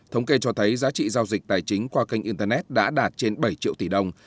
thống kê cho thấy giá trị giao dịch tài chính qua kênh internet đã đạt trên bảy triệu tỷ đồng